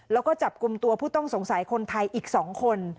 แล้วก็จับกลุ่มตัวผู้ต้องสงสัยคนไทยอีก๒คน